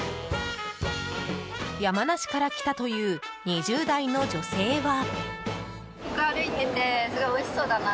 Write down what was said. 山梨から来たという２０代の女性は。